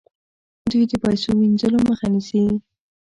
دوی د پیسو وینځلو مخه نیسي.